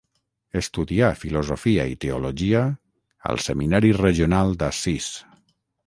Estudià filosofia i teologia al Seminari Regional d'Assís.